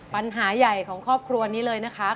ปัญหาใหญ่ของครอบครัวนี้เลยนะคะ